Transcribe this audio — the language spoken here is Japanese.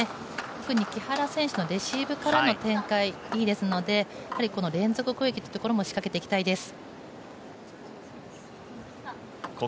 特に木原選手のレシーブからの展開いいですのでこの連続攻撃というところも仕掛けていきたいです。